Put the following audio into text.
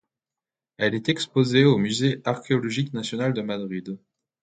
Elle est exposée au Musée archéologique national de Madrid.